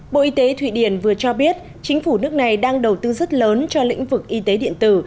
bộ y tế thụy điển vừa cho biết chính phủ nước này đang đầu tư rất lớn cho lĩnh vực y tế điện tử